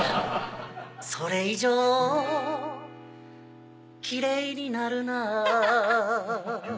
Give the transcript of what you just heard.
「それ以上きれいになるな」